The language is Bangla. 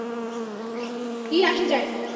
কী আসে যায়?